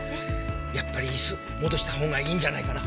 やっぱり椅子戻したほうがいいんじゃないかな？